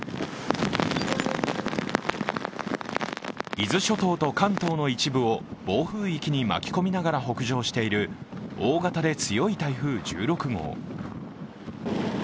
伊豆諸島と関東の一部を暴風域に巻き込みながら北上している大型で強い台風１６号。